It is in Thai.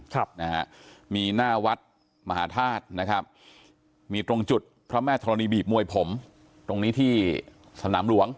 ครับนะฮะมีหน้าวัดมหาธาตุนะครับมีตรงจุดพระแม่ธรณีบีบมวยผมตรงนี้ที่สนามหลวง